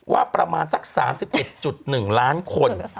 ว่าประมาณสัก๓๑๑ล้านคน